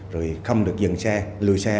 rồi không được dừng xe lùi xe